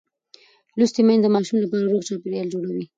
لوستې میندې د ماشوم لپاره روغ چاپېریال جوړوي.